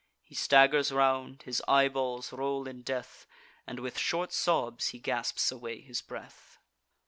He staggers round; his eyeballs roll in death, And with short sobs he gasps away his breath.